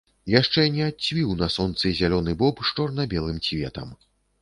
Яшчэ не адцвіў на сонцы зялёны боб з чорна-белым цветам.